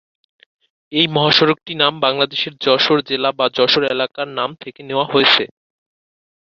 এই মহাসড়কটি নাম বাংলাদেশের যশোর জেলা বা যশোর এলাকার নাম থেকে নেওয়া হয়েছে।